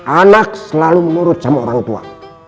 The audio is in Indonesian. anak selalu menurut sama orang tua